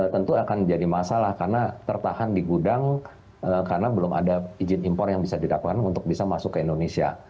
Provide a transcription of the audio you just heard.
tentu akan jadi masalah karena tertahan di gudang karena belum ada izin impor yang bisa dilakukan untuk bisa masuk ke indonesia